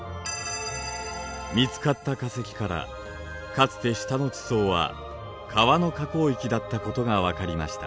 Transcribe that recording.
見つかった化石からかつて下の地層は川の河口域だったことが分かりました。